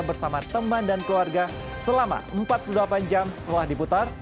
bersama teman dan keluarga selama empat puluh delapan jam setelah diputar